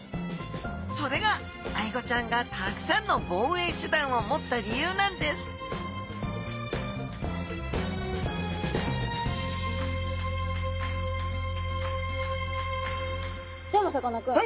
それがアイゴちゃんがたくさんの防衛手段を持った理由なんですでもさかなクン。